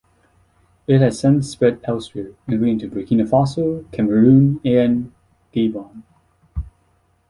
It has since spread elsewhere, including to Burkina Faso, Cameroon and Gabon.